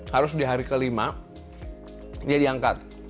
harus di hari kelima dia diangkat